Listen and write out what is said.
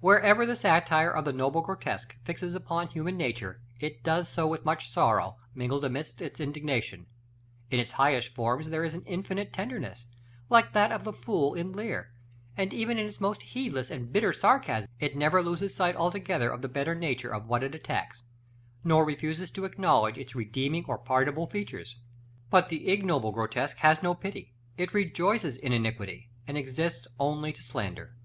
Wherever the satire of the noble grotesque fixes upon human nature, it does so with much sorrow mingled amidst its indignation: in its highest forms there is an infinite tenderness, like that of the fool in Lear; and even in its more heedless or bitter sarcasm, it never loses sight altogether of the better nature of what it attacks, nor refuses to acknowledge its redeeming or pardonable features. But the ignoble grotesque has no pity: it rejoices in iniquity, and exists only to slander.